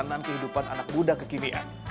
perjalanan kehidupan anak muda kekinian